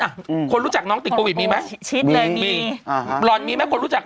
อืมคนรู้จักน้องติดโควิดมีไหมชิดเลยมีอ่าฮะหล่อนมีไหมคนรู้จัก